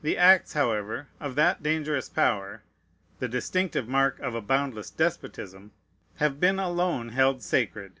The acts, however, of that dangerous power (the distinctive mark of a boundless despotism) have been alone held sacred.